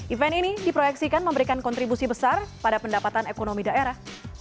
event ini diproyeksikan memberikan kontribusi besar pada pendapatan ekonomi daerah